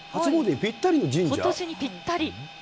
今年にぴったり。